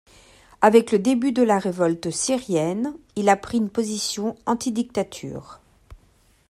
Avec le début de la révolte syrienne, il a pris une position anti-dictature.